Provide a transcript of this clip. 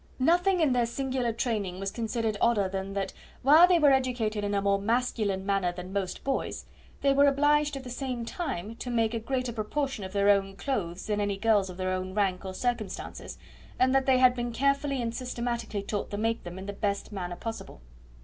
Nothing in their singular training was considered odder than that, while they were educated in a more masculine manner than most boys, they were obliged at the same time to make a greater proportion of their own clothes than any girls of their own rank or circumstances, and that they had been carefully and systematically taught to make them in the best manner possible.